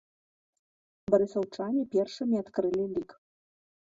Барысаўчане першымі адкрылі лік.